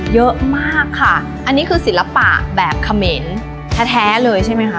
เยอะมากค่ะอันนี้คือศิลปะแบบเขมรแท้เลยใช่ไหมคะ